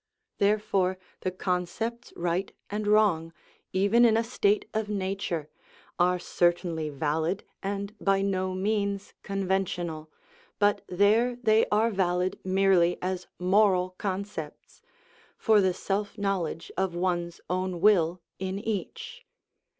Therefore the concepts right and wrong, even in a state of nature, are certainly valid and by no means conventional, but there they are valid merely as moral concepts, for the self knowledge of one's own will in each.